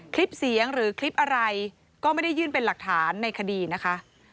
คลิปเสียงหรือคลิปอะไรก็ไม่ได้ยื่นเป็นหลักฐานในคดีนะคะ